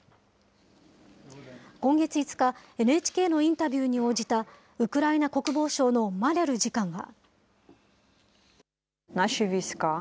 今月５日、ＮＨＫのインタビューに応じたウクライナ国防省のマリャル次官は。